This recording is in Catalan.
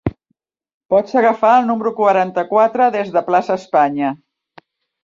Pots agafar el número quaranta-quatre, des de plaça Espanya.